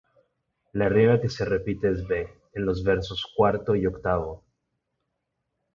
La rima que se repite es b, en los versos cuarto y octavo.